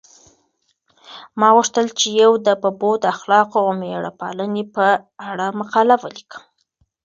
ما غوښتل چې د ببو د اخلاقو او مېړه پالنې په اړه مقاله ولیکم.